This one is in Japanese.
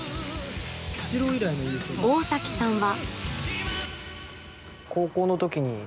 大崎さんは。